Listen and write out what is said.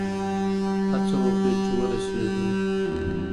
هڅه وکړئ چي ورسېږئ.